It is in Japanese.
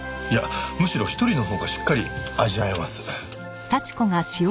いやむしろ一人のほうがしっかり味わえます。